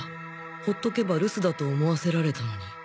ほっとけば留守だと思わせられたのに。